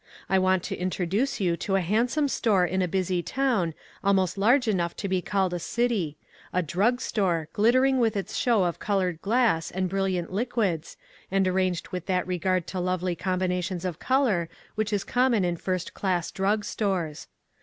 I want to introduce you to a handsome store in a busy town, almost large enough to be called a city — a drug store, glittering with its show of colored glass and brilliant liquids, and arranged with that regard to lovely combinations of color which is common in first class drug stores.